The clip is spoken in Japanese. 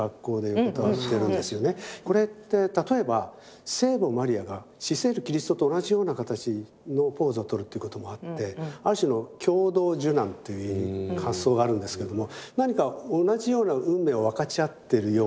これって例えば聖母マリアが死せるキリストと同じような形のポーズをとるっていうこともあってある種の共同受難という発想があるんですけども何か同じような運命を分かち合ってるような。